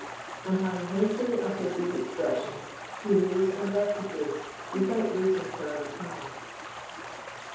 And having hastily uttered these expressions, he rose and left the place without waiting for a reply.